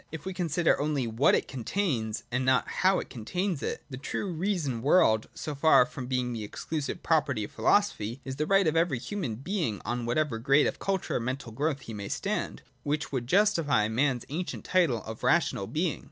If we consider only what it contains, and not how it con tains it, the true reason world, so far from being the exclu sive property of philosophy, is the right of every human being on whatever grade of culture or mental growth he 82.J SPECULATIVE LOGIC. 153 may stand ; which would justify man's ancient title of ra tional being.